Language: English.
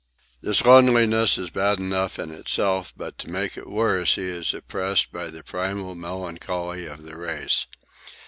This loneliness is bad enough in itself, but, to make it worse, he is oppressed by the primal melancholy of the race.